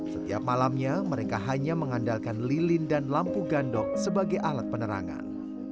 setiap malamnya mereka hanya mengandalkan lilin dan lampu gandok sebagai alat penerangan